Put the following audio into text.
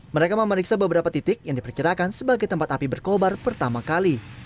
mereka memeriksa beberapa titik yang diperkirakan sebagai tempat api berkobar pertama kali